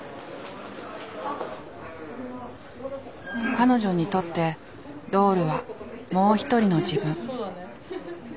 彼女にとってドールはもう一人の自分。